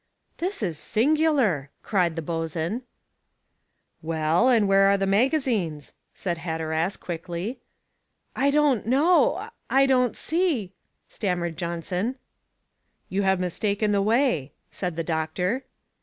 "That is singular!" cried the boatswain. "Well, and where are the magazines?" said Hatteras quickly. "I don't know I don't see " stammered Johnson. "You have mistaken the way," said the doctor.